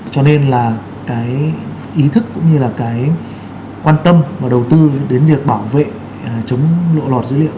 cho nên ý thức cũng như quan tâm và đầu tư đến việc bảo vệ chống lộ lọt dữ liệu